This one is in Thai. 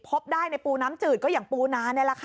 พบได้ในปูน้ำจืดก็อย่างปูนานี่แหละค่ะ